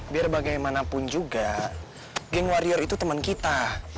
biar bagaimanapun juga geng wario itu temen kita